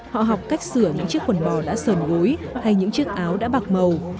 họ học cách sửa những chiếc quần bò đã sờn gối hay những chiếc áo đã bạc màu